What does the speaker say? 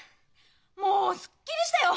もうすっきりしたよ！